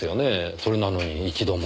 それなのに一度も？